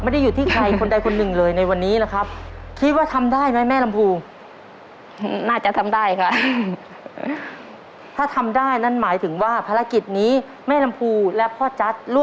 ดอกก่อน๕ทีเหรอ